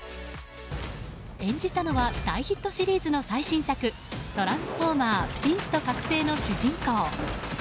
演じたのは大ヒットシリーズの最新作「トランスフォーマー／ビースト覚醒」の主人公。